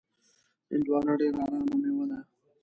هندوانه ډېره ارامه میوه ده.